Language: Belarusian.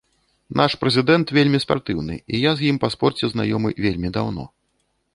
Наш прэзідэнт вельмі спартыўны, і я з ім па спорце знаёмы вельмі даўно.